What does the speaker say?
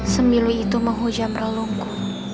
sembilu itu menghujam relungku